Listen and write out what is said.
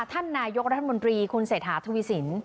ท่านนายกรัฐมนตรีคุณเสถาธุวิสิน